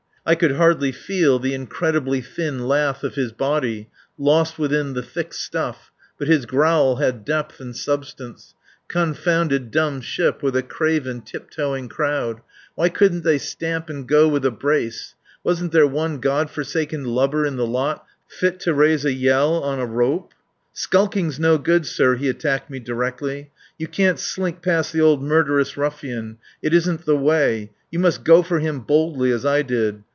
I could hardly feel the incredibly thin lath of his body, lost within the thick stuff, but his growl had depth and substance: Confounded dump ship with a craven, tiptoeing crowd. Why couldn't they stamp and go with a brace? Wasn't there one Godforsaken lubber in the lot fit to raise a yell on a rope? "Skulking's no good, sir," he attacked me directly. "You can't slink past the old murderous ruffian. It isn't the way. You must go for him boldly as I did.